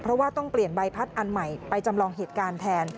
เพราะว่าต้องเปลี่ยนใบพัดอันใหม่ไปจำลองเหตุการณ์แทน